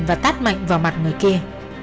và tát mạnh vào mặt người kia